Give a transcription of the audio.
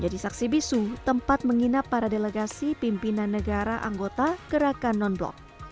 saksi bisu tempat menginap para delegasi pimpinan negara anggota gerakan non blok